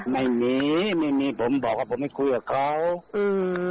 ไม่มีไม่มีผมบอกว่าผมไม่คุยกับเขาอืม